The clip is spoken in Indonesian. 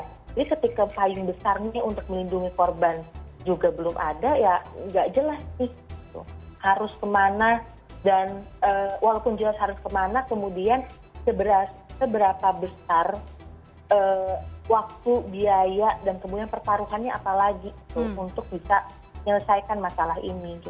jadi ketika payung besarnya untuk melindungi korban juga belum ada ya gak jelas sih harus kemana dan walaupun jelas harus kemana kemudian seberapa besar waktu biaya dan kemudian perparuhannya apalagi untuk bisa menyelesaikan masalah ini